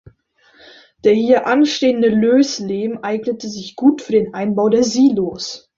Der hier anstehende Lößlehm eignete sich gut für den Einbau der Silos.